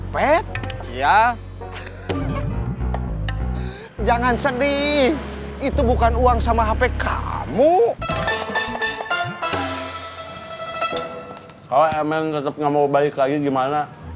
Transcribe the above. pet ya jangan sedih itu bukan uang sama hp kamu kalau emang tetap nggak mau baik lagi gimana